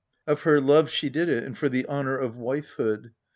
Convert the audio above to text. Of her love she did it, and for the honour of wifehood.